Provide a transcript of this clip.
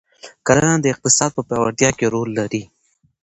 کرنه د اقتصاد په پیاوړتیا کې رول لري.